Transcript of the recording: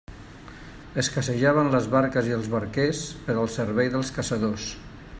Escassejaven les barques i els barquers per al servei dels caçadors.